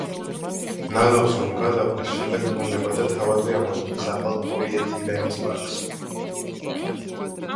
ნაგავს რომ გადაყრის, შემდეგ ბრუნდება და თავადვე ამოიფენს ახალ პოლიეთილენის პარკს.